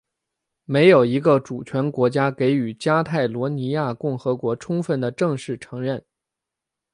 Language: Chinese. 没有一个主权国家给予加泰罗尼亚共和国充分的正式承认。